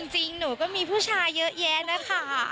จริงหนูก็มีผู้ชายเยอะแยะนะคะ